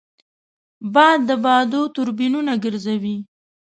باد د بادو توربینونه ګرځوي